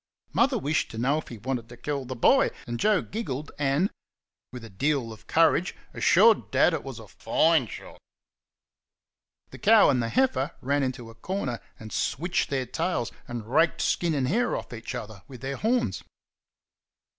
Mother wished to know if he wanted to kill the boy, and Joe giggled and, with a deal of courage, assured Dad it was "a fine shot." The cow and the heifer ran into a corner, and switched their tails, and raked skin and hair off each other with their horns.